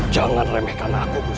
kamu tidak akan mungkin